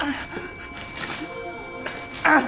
あっ！